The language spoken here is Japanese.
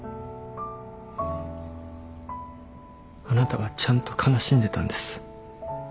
あなたはちゃんと悲しんでたんです。